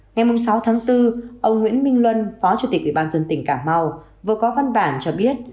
ngày sáu tháng bốn ông nguyễn minh luân phó chủ tịch ủy ban dân tỉnh cà mau vừa có văn bản cho biết